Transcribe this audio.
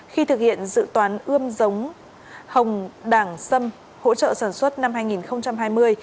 khi thực hiện dự toán ươm giống hồng đảng xâm hỗ trợ sản xuất năm hai nghìn hai mươi